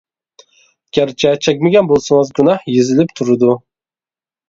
گەرچە چەكمىگەن بولسىڭىز گۇناھ يېزىلىپ تۇرىدۇ.